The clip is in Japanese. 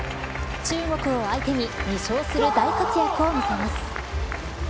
中国を相手に２勝する大活躍を見せます。